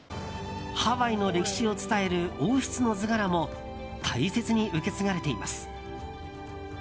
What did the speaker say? ハワイの歴史を伝える王室の図柄も大切に受け継がれています。